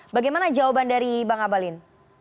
bagaimana jawaban dari bang abalin